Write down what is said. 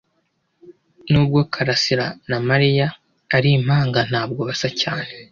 Nubwo Kalasira na Mariya ari impanga, ntabwo basa cyane.